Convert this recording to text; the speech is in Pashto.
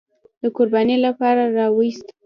د قربانۍ لپاره راوست.